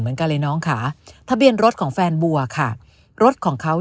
เหมือนกันเลยน้องค่ะทะเบียนรถของแฟนบัวค่ะรถของเขา